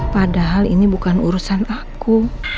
padahal ini bukan urusan aku